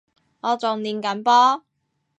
我仲練緊波